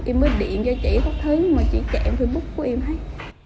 em mới điện cho chị không thấy mà chị chạy facebook của em thấy